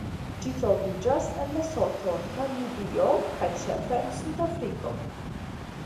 Ĝi troviĝas en Lesoto, Namibio kaj ĉefe en Sudafriko.